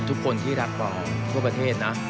ทุกคนที่รักปอทั่วประเทศนะ